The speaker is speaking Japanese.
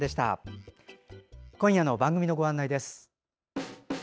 今夜の番組のご案内です。